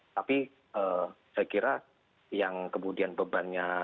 tapi saya kira yang kemudian bebannya